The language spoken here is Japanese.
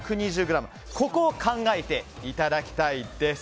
ここを考えていただきたいです。